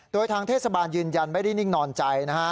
โดยทางเทศบาลยืนยันไม่ได้นิ่งนอนใจนะฮะ